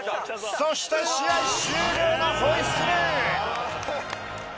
そして試合終了のホイッスル。